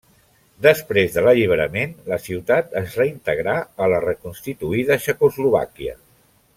Després de l'alliberament, la ciutat es reintegrà a la reconstituïda Txecoslovàquia.